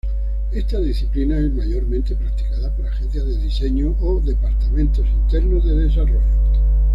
Esta disciplina es mayormente practicada por agencias de diseño o departamentos internos de desarrollo.